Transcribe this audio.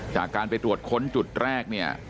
จากการไปตรวจค้นจุดแรกเนี่ย